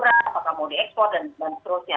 apakah mau di ekspor dan seterusnya